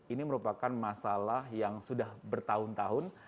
ini merupakan masalah yang sudah bertahun tahun